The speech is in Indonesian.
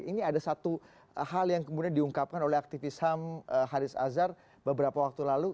ini ada satu hal yang kemudian diungkapkan oleh aktivis ham haris azhar beberapa waktu lalu